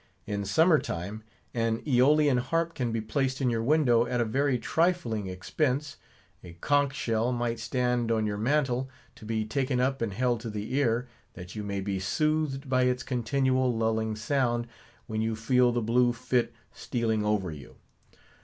In summer time, an Aeolian harp can be placed in your window at a very trifling expense; a conch shell might stand on your mantel, to be taken up and held to the ear, that you may be soothed by its continual lulling sound, when you feel the blue fit stealing over you.